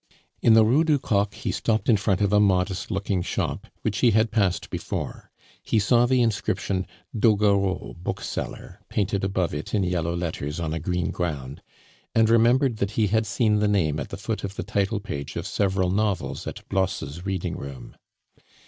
In the Rue du Coq he stopped in front of a modest looking shop, which he had passed before. He saw the inscription DOGUEREAU, BOOKSELLER, painted above it in yellow letters on a green ground, and remembered that he had seen the name at the foot of the title page of several novels at Blosse's reading room.